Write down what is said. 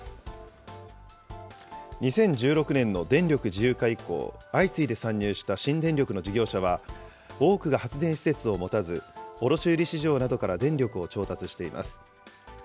２０１６年の電力自由化以降、相次いで参入した新電力の事業者は、多くが発電施設を持たず、卸売市場などから電力を調達しています。